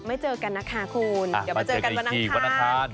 ไม่เจอกันนะคะคุณอ่าไม่เจอกันอีก๔วันนะทาน